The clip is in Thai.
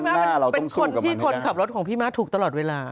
หน้าเราต้องส่วนคนดึงรอของพี่มาถูกตลอดเวลา